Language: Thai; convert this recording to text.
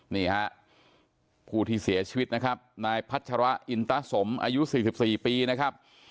นี่ฮะผู้ที่เสียชีวิตนะครับนายพัชระอินตะสมอายุ๔๔ปีนะครับ